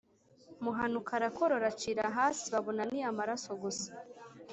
Muhanuka arakorora acira hasi babona ni amaraso gusa.